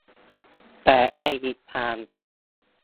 แต่ในอีกทาง